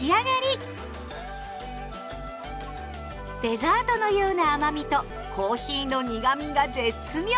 デザートのような甘みとコーヒーの苦みが絶妙！